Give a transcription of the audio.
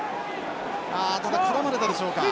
ああただ絡まれたでしょうか。